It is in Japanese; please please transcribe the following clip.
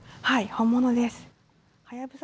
本物です。